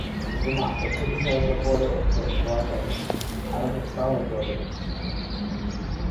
কিন্তু মা, পদ্ধতি সহজলভ্যও তো হওয়া চাই, আর সস্তাও হতে হবে।